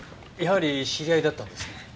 やはり知り合いだったんですね。